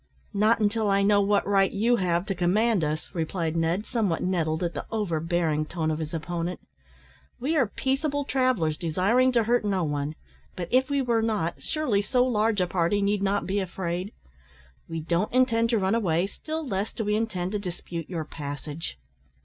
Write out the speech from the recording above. "Not until I know what right you have to command us," replied Ned, somewhat nettled at the overbearing tone of his opponent. "We are peaceable travellers, desiring to hurt no one; but if we were not, surely so large a party need not be afraid. We don't intend to run away, still less do we intend to dispute your passage."